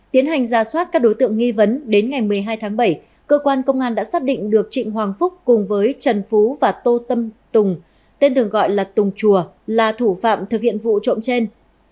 tiến hành ra soát các đối tượng nghi vấn đến ngày một mươi hai tháng bảy cơ quan công an đã xác định được trịnh hoàng phúc cùng với trần phú và tô tâm tùng tên thường gọi là tùng chùa là thủ phạm thực hiện vụ trộm trên